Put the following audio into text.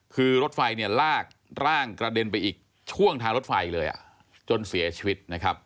คือรถไฟล่างกระเด็นไปอีกช่วงทางรถไฟเลยจนเสียชีวิต